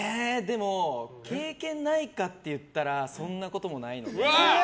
経験ないかって言ったらそんなこともない。